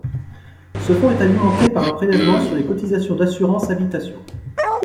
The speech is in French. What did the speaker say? Ce fonds est alimenté par un prélèvement sur les cotisations d’assurances « habitation ».